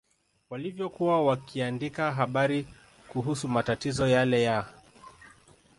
yalivyokuwa yakiandika habari kuhusu matatizo yale ya